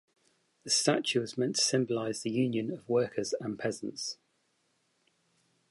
The statue was meant to symbolize the union of workers and peasants.